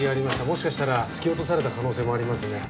もしかしたら突き落とされた可能性もありますね。